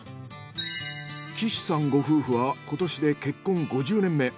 岸さんご夫婦は今年で結婚５０年目。